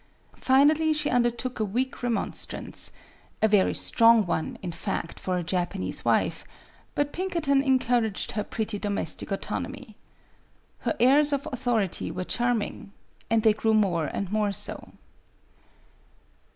Finally she under took a weak remonstrance a very strong one, in fact, for a Japanese wife; but Pinker ton encouraged her pretty domestic auton omy. Her airs of authority were charming. And they grew more and more so.